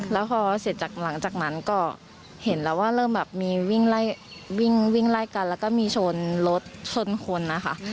แล้วพอเสร็จจากหลังจากนั้นก็เห็นแล้วว่าเริ่มแบบมีวิ่งไล่วิ่งวิ่งไล่กันแล้วก็มีชนรถชนคนนะคะ